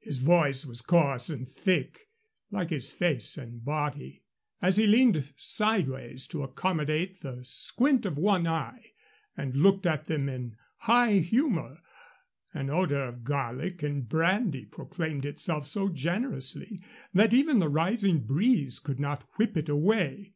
His voice was coarse and thick, like his face and body. As he leaned sideways to accommodate the squint of one eye and looked at them in high humor, an odor of garlic and brandy proclaimed itself so generously that even the rising breeze could not whip it away.